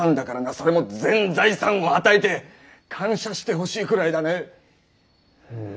それも全財産をはたいてッ！感謝してほしいくらいだねッ。